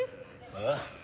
ああ？